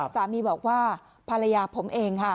สามีบอกว่าภรรยาผมเองค่ะ